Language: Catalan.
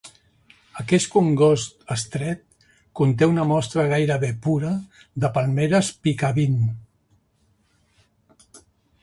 Aquest congost estret conté una mostra gairebé pura de palmeres Piccabeen.